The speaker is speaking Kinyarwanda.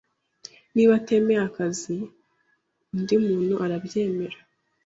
Niba atemeye akazi, undi muntu arabyemera